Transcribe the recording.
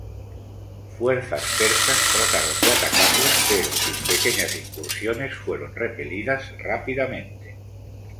Fuerzas persas trataron de atacarlo, pero sus pequeñas incursiones fueron repelidas rápidamente.